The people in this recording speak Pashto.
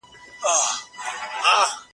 هیڅ چاته تر خپل ځان ډیر ارزښت مه ورکوي